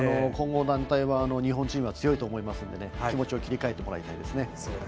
混合団体は日本チームは強いと思いますから気持ちを切り替えてもらいたいですね。